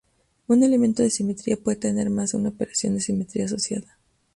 Un elemento de simetría puede tener más de una operación de simetría asociada.